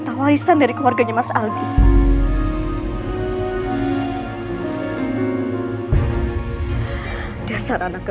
tapi disini aku cuma numpang tidur bu